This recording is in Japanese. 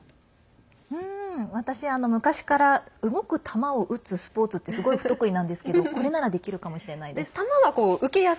私、昔から動く球を打つスポーツってすごい不得意なんですけどこれならできるかもしれないです。